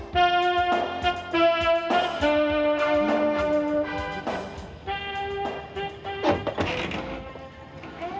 boa tambah ganti